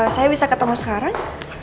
saya bisa ketemu sekarang